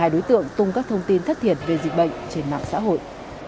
một mươi hai đối tượng tung các thông tin thất thiệt về dịch bệnh trên mạng xã hội